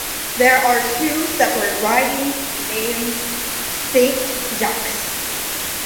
There were two separate ridings named "Saint-Jacques".